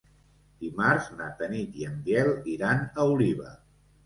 Dimarts na Tanit i en Biel iran a Oliva.